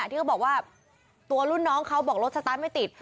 ที่เขาบอกว่าตัวรุ่นน้องเขาบอกรถสตาร์ทไม่ติด